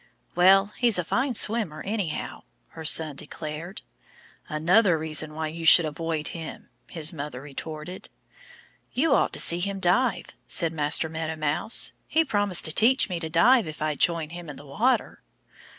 "Well, he's a fine swimmer, anyhow," her son declared. "Another reason why you should avoid him!" his mother retorted. "You ought to see him dive," said Master Meadow Mouse. "He promised to teach me to dive if I'd join him in the water."